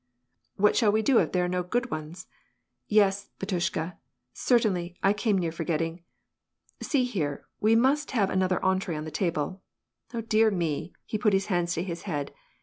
"What shall we do if there are no good ones? Yes, bat [ushka, certainly — I came near forgetting. See here, we must lave another ejitree on the table. Oh dear me I " he put his ;iands to his head.